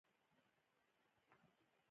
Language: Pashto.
د ګاونډیانو حق په میوو کې شته.